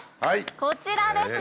こちらですね！